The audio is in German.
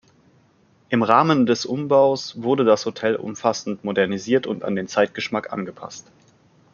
Im Rahmen des Umbaus wurde das Hotel umfassend modernisiert und an den Zeitgeschmack angepasst.